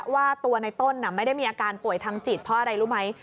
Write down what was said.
ว่าตัวในต้นไม่ได้มีอาการป่วยทางจิตเพราะอะไรรู้ไหม